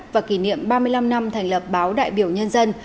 và kỷ niệm ba mươi năm năm thành lập báo đại biểu nhân dân